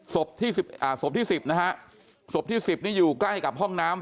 ศพที่สิบนะฮะศพที่๑๐นี่อยู่ใกล้กับห้องน้ำ